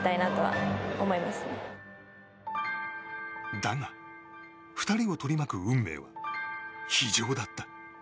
だが、２人を取り巻く運命は非情だった。